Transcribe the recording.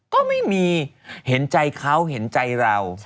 ก็ไม่มีเห็นใจเขาเห็นใจเรา